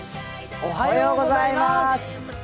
おはようございます。